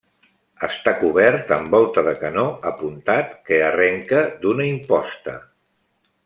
Està cobert amb volta de canó apuntat que arrenca d'una imposta.